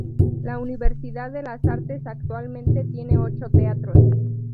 La Universidad de las Artes actualmente tiene ocho teatros.